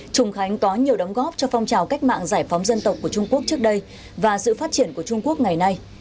trùng khánh có nhiều đóng góp cho phong trào cách mạng giải phóng dân tộc của trung quốc trước đây và sự phát triển của trung quốc ngày nay